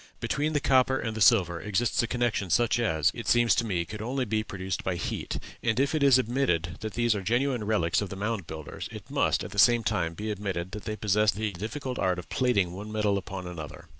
Between the copper and the silver exists a connection such as, it seems to me, could only be produced by heat; and if it is admitted that these are genuine relics of the Mound Builders, it must, at the same time, be admitted that they possessed the difficult art of plating one metal upon another.